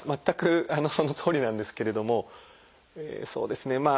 全くそのとおりなんですけれどもそうですね